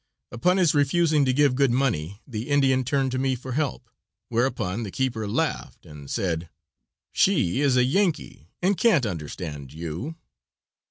Upon his refusing to give good money the Indian turned to me for help, whereupon the keeper laughed and said: "She is a Yankee and can't understand you."